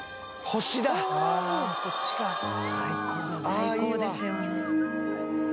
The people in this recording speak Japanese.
最高ですよね。